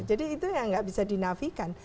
jadi itu yang nggak bisa dinafikan